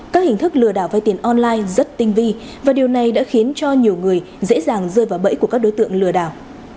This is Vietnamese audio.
các hình thức lừa đảo vai tiền online rất tinh vi và điều này đã khiến cho nhiều người dễ dàng rơi vào bẫy của các đối tượng lừa đảo